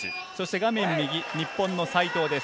画面右、日本の西藤です。